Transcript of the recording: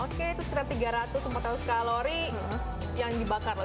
oke itu sekitar tiga ratus empat ratus kalori yang dibakar loh